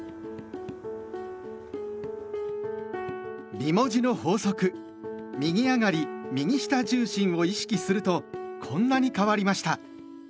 美文字の法則「右上がり右下重心」を意識するとこんなに変わりました。